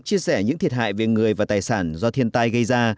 chia sẻ những thiệt hại về người và tài sản do thiên tai gây ra